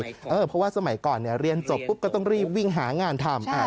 เพราะว่าสมัยก่อนเรียนจบปุ๊บก็ต้องรีบวิ่งหางานทำ